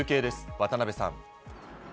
渡邊さん。